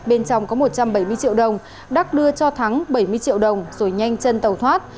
bên trong có một trăm bảy mươi triệu đồng đắc đưa cho thắng bảy mươi triệu đồng rồi nhanh chân tàu thoát